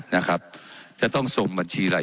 ว่าการกระทรวงบาทไทยนะครับ